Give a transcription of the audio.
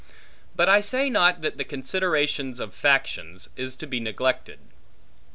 But I say not that the considerations of factions, is to be neglected.